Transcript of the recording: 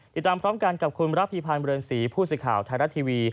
ติดตามพร้อมกันกับคุณระพีพันธ์เรือนศรีผู้สื่อข่าวไทยรัฐทีวี